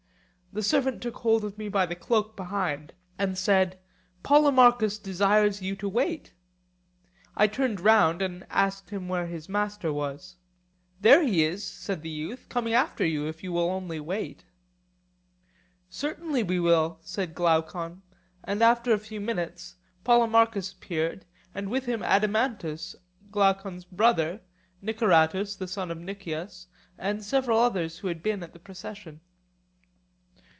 The servant took hold of me by the cloak behind, and said: Polemarchus desires you to wait. I turned round, and asked him where his master was. There he is, said the youth, coming after you, if you will only wait. Certainly we will, said Glaucon; and in a few minutes Polemarchus appeared, and with him Adeimantus, Glaucon's brother, Niceratus the son of Nicias, and several others who had been at the procession.